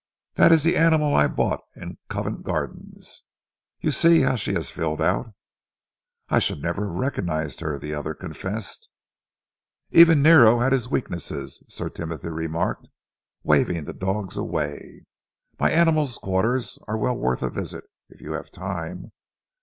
"That is the animal I bought in Covent Garden. You see how she has filled out?" "I should never have recognised her," the other confessed. "Even Nero had his weaknesses," Sir Timothy remarked, waving the dogs away. "My animals' quarters are well worth a visit, if you have time.